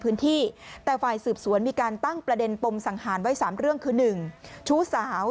พื้นที่แต่ฝ่ายสืบสวนมีการตั้งประเด็นปมสังหารไว้๓เรื่องคือ๑ชู้สาว